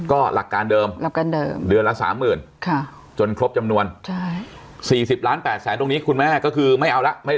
ก็หลักการเดิมหลักการเดิมเดือนละ๓๐๐๐จนครบจำนวน๔๐ล้าน๘แสนตรงนี้คุณแม่ก็คือไม่เอาละ